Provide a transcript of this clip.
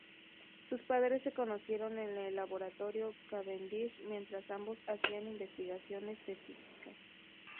Sus padres se conocieron en el Laboratorio Cavendish mientras ambos hacían investigaciones de Física.